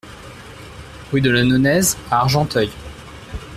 Rue de la Nonaise à Argenteuil